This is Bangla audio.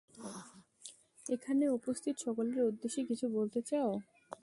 এখানে উপস্থিত সকলের উদ্দেশ্যে কিছু বলতে চাও?